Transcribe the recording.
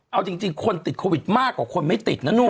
เอาจริงคนติดโควิดมากกว่าคนไม่ติดนะลูก